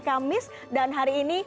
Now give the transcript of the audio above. kamis dan hari ini